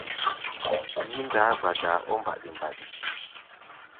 Yí-ndaá gbadaa ɔ́ mbaɗi-mbaɗi.